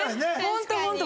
ホントホント。